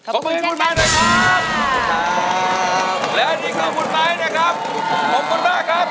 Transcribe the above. ขอบคุณคุณไมค์นะครับ